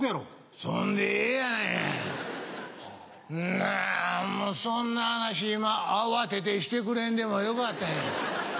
なんもそんな話今慌ててしれくれんでもよかったやん。